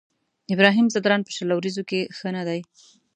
ابراهيم ځدراڼ په شل اوريزو کې ښه نه دی.